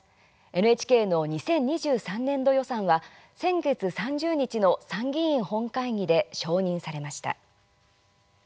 ＮＨＫの２０２３年度予算は先月３０日の参議院本会議で承認されました。